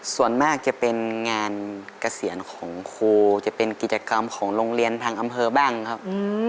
ส่วนมากจะเป็นงานเกษียณของครูจะเป็นกิจกรรมของโรงเรียนทางอำเภอบ้างครับ